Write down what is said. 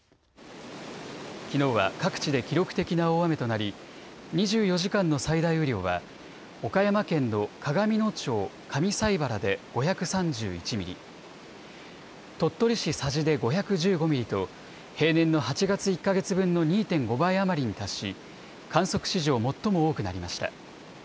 きのうは各地で記録的な大雨となり２４時間の最大雨量は岡山県の鏡野町上齋原で５３１ミリ、鳥取市佐治で５１５ミリと平年の８月１か月分の２．５倍余りに達し観測史上、最も多くなりました。